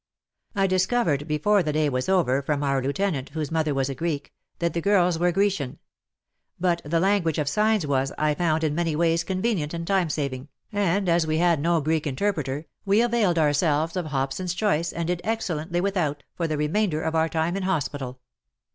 I discovered before the day was over, from our lieutenant, whose mother was a Greek, that the girls were Grecian ; but the language of signs was, I found, in many ways convenient and time saving, and as we had no Greek 1 64 WAR AND WOMEN interpreter, we availed ourselves of Hobson's choice and did excellently without, for the re mainder of our time in hospital.